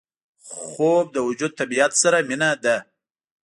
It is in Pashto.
خوب د وجود طبیعت سره مینه ده